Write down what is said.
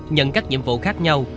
nhận các nhiệm vụ khác nhau